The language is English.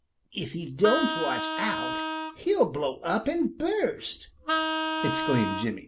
"If he don't watch out, he'll blow up and bust!" exclaimed Jimmy.